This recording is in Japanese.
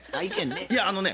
いやあのね